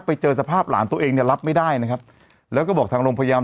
ไปเจอสภาพหลานตัวเองเนี่ยรับไม่ได้นะครับแล้วก็บอกทางโรงพยาบาล